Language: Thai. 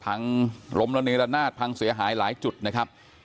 พังล้มระเนละนาดพังเสียหายหลายจุดนะครับ